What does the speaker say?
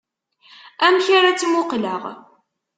Amek ara tt-muqleɣ?